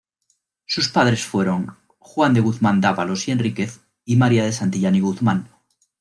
Sus padres fueron Juan de Guzmán-Dávalos y Enríquez y María de Santillán y Guzmán.